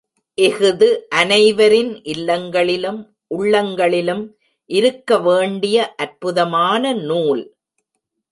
இஃது அனைவரின் இல்லங்களிலும் உள்ளங்களிலும் இருக்க வேண்டிய அற்புதமான நூல்.